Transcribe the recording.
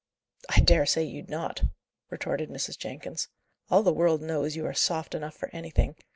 "I dare say you'd not," retorted Mrs. Jenkins. "All the world knows you are soft enough for anything.